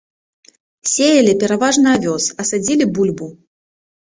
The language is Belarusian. Сеялі пераважна авёс, а садзілі бульбу.